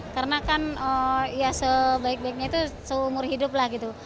karena kan sebaik baiknya itu seumur hidup lah gitu